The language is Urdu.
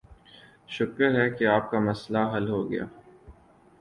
شکر ہے کہ آپ کا مسئلہ حل ہوگیا۔